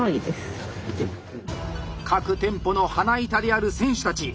各店舗の花板である選手たち。